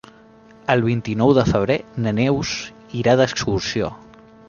El vint-i-nou de febrer na Neus irà d'excursió.